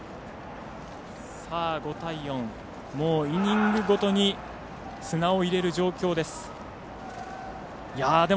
５対４、イニングごとに砂を入れる状況です。